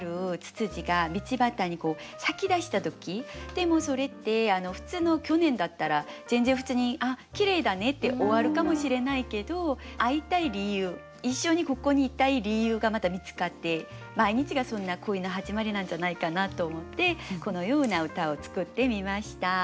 でもそれって去年だったら全然普通に「あっきれいだね」って終わるかもしれないけどいたい理由一緒にここにいたい理由がまた見つかって毎日がそんな恋の始まりなんじゃないかなと思ってこのような歌を作ってみました。